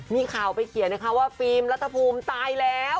มีข่าวไปเขียนนะคะว่าฟิล์มรัฐภูมิตายแล้ว